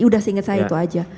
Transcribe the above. ya sudah seingat saya itu saja